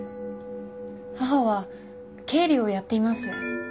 母は経理をやっています。